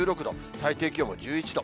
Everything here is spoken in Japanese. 最低気温も１１度。